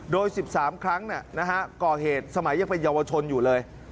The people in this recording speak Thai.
โดย๑๓ครั้งก่อเหตุสมัยยังเป็นเยาวชนอยู่เลย